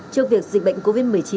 trước việc dịch bệnh covid một mươi chín